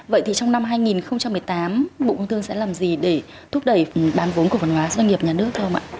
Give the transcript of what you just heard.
vậy thì trong năm hai nghìn một mươi tám bộ công thương sẽ làm gì để thúc đẩy bán vốn cổ phần hóa doanh nghiệp nhà nước thưa ông ạ